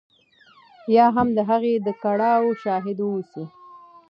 یا هم د هغه د کړاو شاهد واوسو.